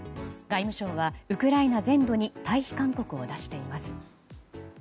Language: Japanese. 外務省はウクライナ全土に退避勧告を出しています。